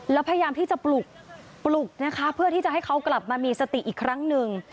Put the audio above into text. แล้วพยายามที่จะปลุกปลุกนะคะเพื่อที่จะให้เขากลับมามีสติอีกครั้งหนึ่ง